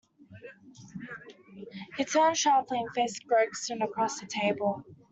He turned sharply, and faced Gregson across the table.